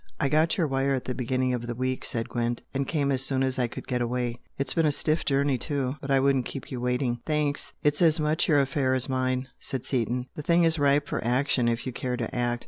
"I got your wire at the beginning of the week" said Gwent "and came as soon as I could get away. It's been a stiff journey too but I wouldn't keep you waiting." "Thanks, it's as much your affair as mine" said Seaton "The thing is ripe for action if you care to act.